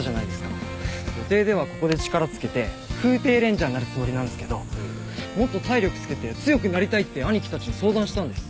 予定ではここで力つけて空挺レンジャーになるつもりなんすけどもっと体力つけて強くなりたいって兄貴たちに相談したんです。